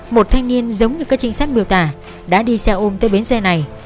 một thanh niên giống như các trinh sát biểu tả đã đi xe ôm tới bến xe này